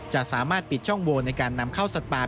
สามารถปิดช่องโวนในการนำเข้าสัตว์ป่า